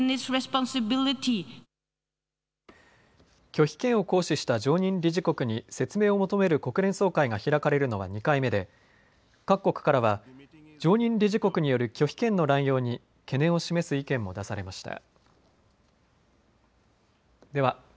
拒否権を行使した常任理事国に説明を求める国連総会が開かれるのは２回目で各国からは常任理事国による拒否権の乱用に懸念を示す意見も出されました。